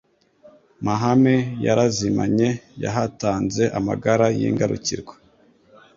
Mahame yarazimanye ;Yahatanze amagara y'ingarukirwa.